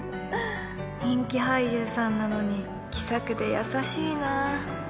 人気俳優さんなのに、気さくで優しいな。